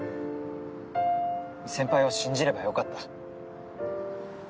先輩を信じればよかった。